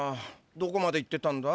どこまで行ってたんだ？